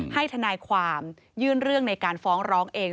ทนายความยื่นเรื่องในการฟ้องร้องเอง